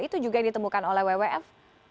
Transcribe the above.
itu juga yang ditemukan oleh wwf